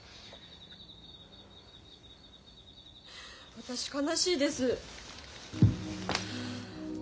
私悲しいです。